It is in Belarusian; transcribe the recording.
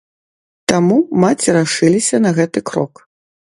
Таму маці рашыліся на гэты крок.